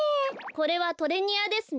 これはトレニアですね。